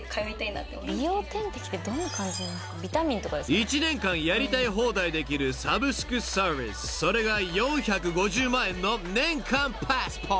［１年間やりたい放題できるサブスクサービスそれが４５０万円の年間パスポート］